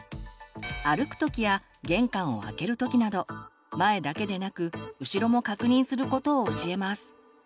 歩くときや玄関を開けるときなど前だけでなく後ろも確認することを教えます。